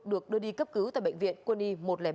được đưa đi cấp cứu tại bệnh viện quân y một trăm linh ba